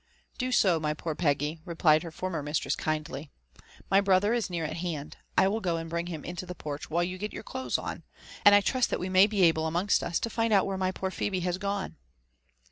"Do so, my poor Peggy," replied her former mistress kindly. '' My brother is near at hand— I will go and bring him into tjhe porch while you get your clothes on ; and I trust that we may be able amongst us to find out where my poor Phebe is gone."